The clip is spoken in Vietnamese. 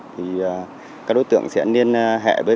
thì các đối tượng sẽ nên hẹ với